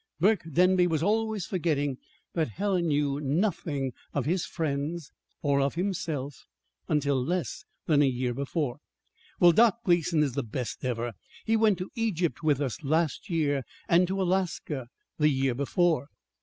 Burke Denby was always forgetting that Helen knew nothing of his friends or of himself until less than a year before. "Well, Doc Gleason is the best ever. He went to Egypt with us last year, and to Alaska the year before."